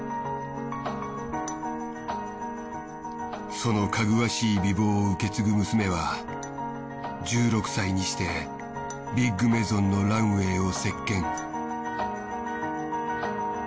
そのかぐわしい美貌を受け継ぐ娘は１６歳にしてビッグメゾンのランウェイを席巻。